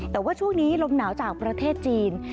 แต่ว่าช่วงนี้ลมหนาวจากประเทศจีน